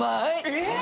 えっ